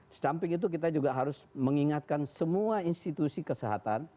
di samping itu kita juga harus mengingatkan semua institusi kesehatan